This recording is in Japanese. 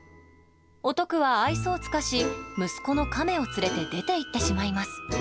お徳は愛想をつかし息子の亀を連れて出て行ってしまいます。